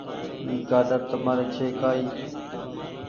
اي گآڊر تمآري ڇي ڪآئي